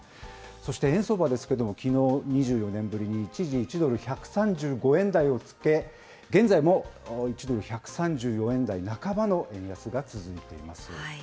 そして円相場ですけれども、きのう、２４年ぶりに、一時１ドル１３５円台をつけ、現在も１ドル１３４円台半ばの円安が続いています。